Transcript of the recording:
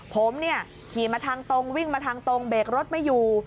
ผมเนี่ยขี่มาทางตรงวิ่งมาทางตรงเบรกรถไม่อยู่